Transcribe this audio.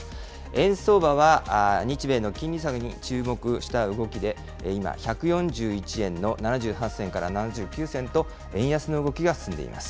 円相場は、日米の金利差に注目した動きで、今、１４１円の７８銭から７９銭と、円安の動きが進んでいます。